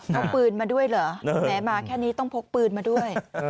เอาปืนมาด้วยเหรอแม้มาแค่นี้ต้องพกปืนมาด้วย